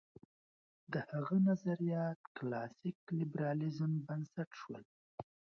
د هغه نظریات کلاسیک لېبرالېزم بنسټ شول.